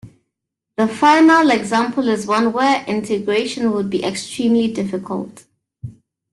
The final example is one where integration would be extremely difficult.